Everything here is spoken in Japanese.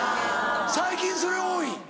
最近それ多い。